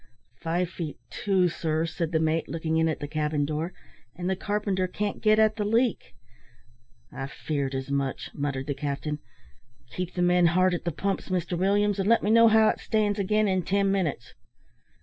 "Five feet two, sir," said the mate, looking in at the cabin door; "and the carpenter can't get at the leak." "I feared as much," muttered the captain. "Keep the men hard at the pumps, Mr Williams, and let me hear how it stands again in ten minutes."